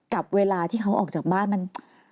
กับเวลาที่เขาออกจากบ้านมัน